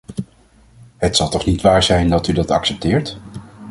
Het zal toch niet waar zijn dat u dat accepteert.